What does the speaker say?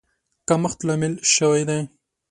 کمښت لامل شوی دی.